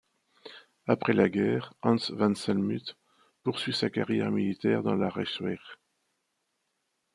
Après la guerre, Hans von Salmuth poursuit sa carrière militaire dans la Reichswehr.